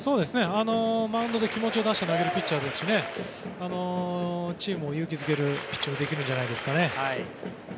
マウンドで気持ちを出して投げるピッチャーですしチームを勇気づけるピッチングができるんじゃないですかね。